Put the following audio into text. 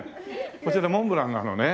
こちらモンブランなのね。